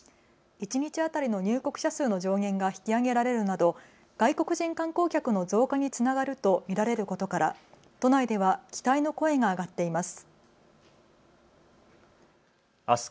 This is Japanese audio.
一日当たりの入国者数の上限が引き上げられるなど外国人観光客の増加につながると見られることから都内では期待の声が上がっています。